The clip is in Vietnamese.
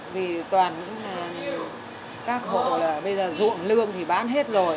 vì toàn các hộ là bây giờ ruộng lương thì bán hết rồi